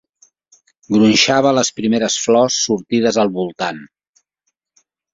Gronxava las primeres flors sortides al voltant